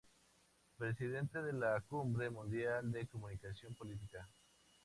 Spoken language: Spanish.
Presidente de la Cumbre Mundial de Comunicación Politica.